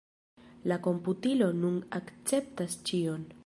La komputilo nun akceptas ĉion.